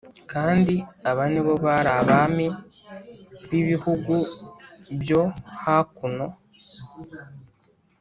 Kandi aba ni bo bari abami b ibihugu byo hakuno